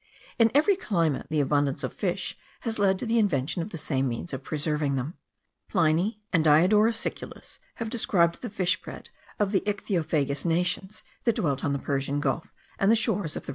In every climate the abundance of fish has led to the invention of the same means of preserving them. Pliny and Diodorus Siculus have described the fish bread of the ichthyophagous nations, that dwelt on the Persian Gulf and the shores of the Red Sea.